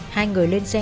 hai người lên xe